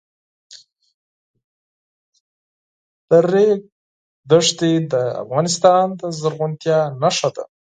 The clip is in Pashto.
د ریګ دښتې د افغانستان د زرغونتیا نښه ده.